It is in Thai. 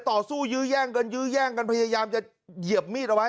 ต่อสู้ยื้อแย่งกันยื้อแย่งกันพยายามจะเหยียบมีดเอาไว้